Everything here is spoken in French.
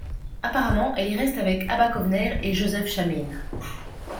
Apparemment, elle y reste avec Abba Kovner et Joseph Shamir.